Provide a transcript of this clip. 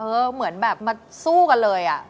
เหมือนแบบมาสู้กันเลยอ่ะ